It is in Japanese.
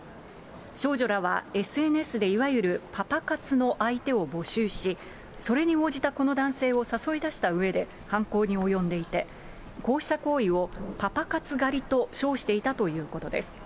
少女らはＳＮＳでいわゆるパパ活の相手を募集し、それに応じたこの男性を誘い出したうえで犯行に及んでいて、こうした行為をパパ活狩りと称していたということです。